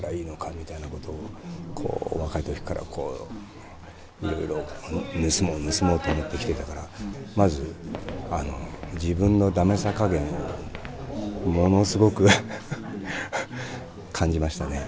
みたいなことを若い時からこういろいろ盗もう盗もうと思ってきてたからまず自分のダメさ加減をものすごく感じましたね。